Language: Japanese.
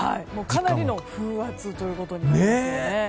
かなりの風圧ということです。